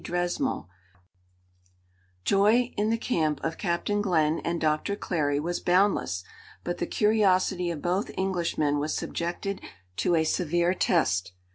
CONCLUSION Joy in the camp of Captain Glenn and Doctor Clary was boundless, but the curiosity of both Englishmen was subjected to a severe test.